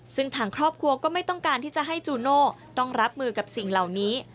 ซึ่งทางครอบครัวก็ไม่ต้องการที่จะให้จูโน่ต้องรับมือกับสิ่งเหล่านี้